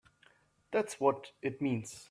That's what it means!